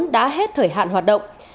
đã hết thời hạn hoạt động